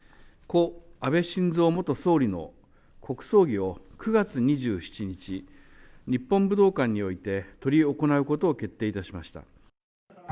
故・安倍晋三元総理の国葬儀を、９月２７日、日本武道館において執り行うことを決定いたしました。